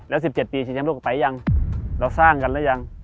แล้ว๑๗ปีชิงช้ำโลกไปหรือยัง